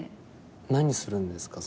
何するんですか？